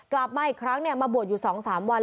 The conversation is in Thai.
กลับมาอีกครั้งเนี่ยมาบวชอยู่สองสามวัน